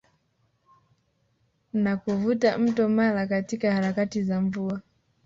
Na kuvuka mto Mara katika harakati za mvua